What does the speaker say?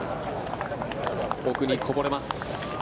奥にこぼれます。